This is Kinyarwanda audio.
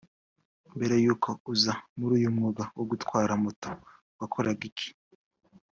Mbere y’uko uza muri uyumwuga wo gutwara moto wakoraga iki